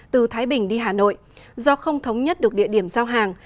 tỉnh đi hà nội do không thống nhất được địa điểm giao hàng